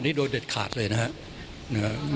นี่โดยเด็ดขาดเลยนะครับ